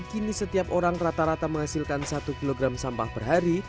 kini setiap orang rata rata menghasilkan satu kg sampah per hari